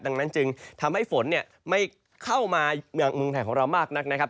ดังนั้นจึงทำให้ฝนเนี่ยไม่เข้ามาเมืองไทยของเรามากนักนะครับ